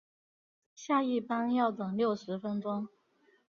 下一班要等六十分钟